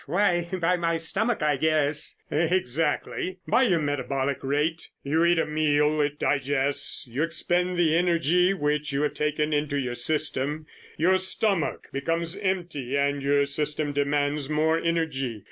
"Why, by my stomach, I guess." "Exactly. By your metabolic rate. You eat a meal, it digests, you expend the energy which you have taken into your system, your stomach becomes empty and your system demands more energy.